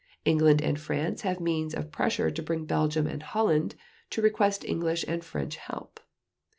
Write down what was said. England and France have means of pressure to bring Belgium and Holland to request English and French help.